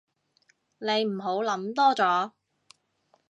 你唔好諗多咗